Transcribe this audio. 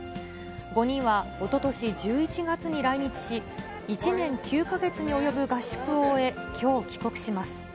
５人はおととし１１月に来日し、１年９か月に及ぶ合宿を終え、きょう帰国します。